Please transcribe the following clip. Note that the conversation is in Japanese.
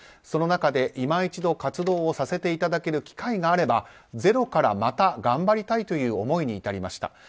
その中で、今一度活動をさせていただける機会があればゼロからまた頑張りたいという思いに至りました。